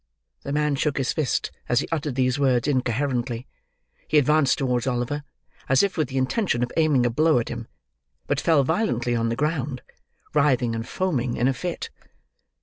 The man shook his fist, as he uttered these words incoherently. He advanced towards Oliver, as if with the intention of aiming a blow at him, but fell violently on the ground: writhing and foaming, in a fit.